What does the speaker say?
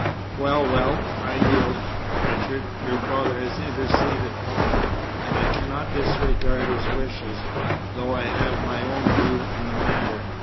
"Well, well, I yield. Richard, your father has interceded for you; and I cannot disregard his wishes, though I have my own view in the matter.